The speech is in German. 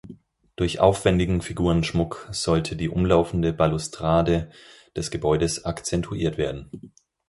Durch aufwändigen Figurenschmuck sollte die umlaufende Balustrade des Gebäudes akzentuiert werden.